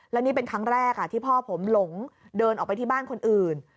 แล้วนี่เป็นครั้งแรกที่พ่อผมหลงเดินออกไปที่บ้านคนอื่น